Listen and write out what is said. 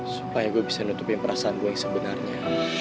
supaya gue bisa nutupin perasaan gue yang sebenarnya